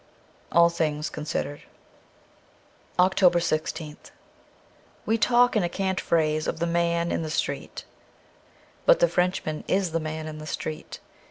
' All things Considered .' 321 OCTOBER 1 6th WE talk in a cant phrase of the Man in the Street, but the Frenchman is the Man in the Street.